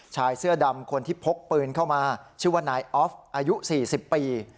ชายเสื้อดำคนที่พกปืนเข้ามาชื่อว่านายออฟอายุ๔๐ปี